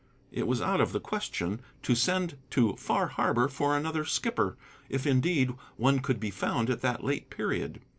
It was out of the question to send to Far Harbor for another skipper, if, indeed, one could be found at that late period.